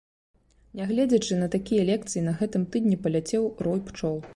Нягледзячы на такія лекцыі, на гэтым тыдні паляцеў рой пчол.